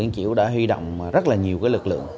liên chỉu đã huy động rất là nhiều lực lượng